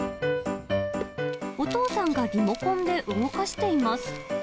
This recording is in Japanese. お父さんがリモコンで動かしています。